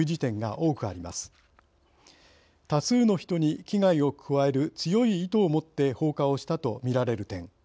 多数の人に危害を加える強い意図を持って放火をしたとみられる点。